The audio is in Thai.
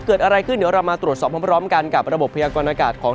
เกิดอะไรขึ้นเดี๋ยวเรามาตรวจสอบพร้อมกันกับระบบพยากรณากาศของ